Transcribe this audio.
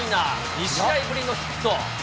２試合ぶりのヒット。